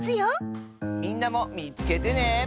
みんなもみつけてね。